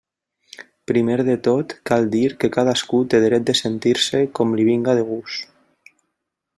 Primer de tot cal dir que cadascú té dret de sentir-se com li vinga de gust.